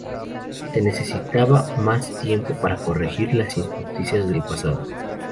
Se necesitaba más tiempo para corregir las injusticias del pasado.